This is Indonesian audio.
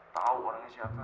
tau orangnya siapa